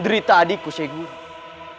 derita adikku syekh guri